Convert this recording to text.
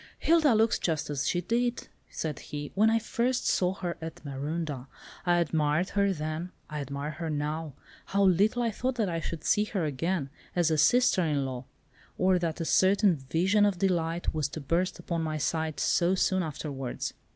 "Hilda looks just as she did," said he, "when I first saw her at Marondah. I admired her then. I admire her now—how little I thought that I should see her again, as a sister in law! or that a certain 'vision of delight was to burst upon my sight' so soon afterwards."